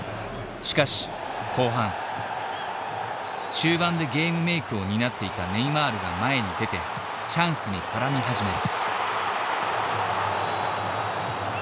中盤でゲームメークを担っていたネイマールが前に出てチャンスに絡み始める。